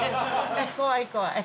怖い怖い。